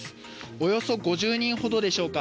およそ５０人ほどでしょうか。